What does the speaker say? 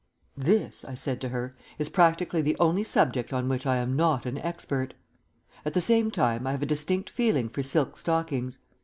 "This," I said to her, "is practically the only subject on which I am not an expert. At the same time I have a distinct feeling for silk stockings.